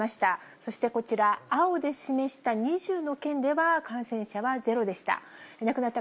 そしてこちら、青で示した２０の県では感染者はゼロでした。